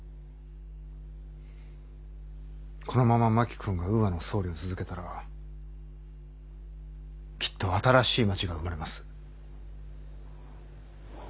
このまま真木君がウーアの総理を続けたらきっと新しい街が生まれます。